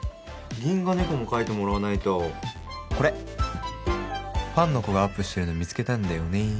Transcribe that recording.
ギンガ猫も描いてもらわないとこれファンの子がアップしてるの見つけたんだよね